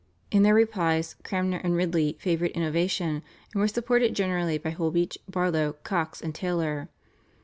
In their replies Cranmer and Ridley favoured innovation, and were supported generally by Holbeach, Barlow, Cox, and Taylor.